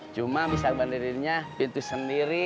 cuma bisa berdirinya pintu sendiri